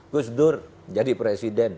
gus dur jadi presiden